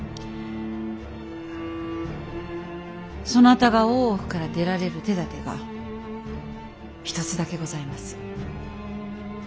そなたが大奥から出られる手だてが一つだけございます。